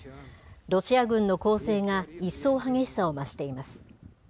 ロシア軍の攻勢が一層激しさを増しています。